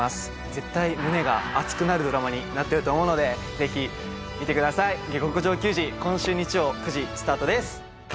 絶対胸が熱くなるドラマになっていると思うのでぜひ見てください「下剋上球児」今週日曜９時スタートです！